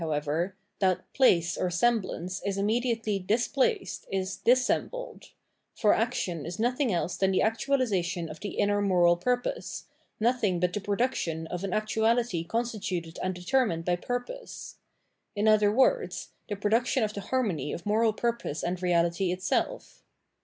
^' Dissemblance 627 however, that " place " or semblance is immediately " displaced," is dissembled ; for action is nothing else than the actnalisation of the inner moral purpose, nothing but the production of an actuality constituted and deter min ed by purpose ; in other words, the pro duction of the harmony of moral purpose and reality itself.